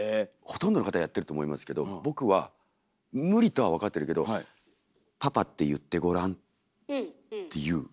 ほとんどの方やってると思いますけど僕は無理とは分かってるけど「パパって言ってごらん」っていう。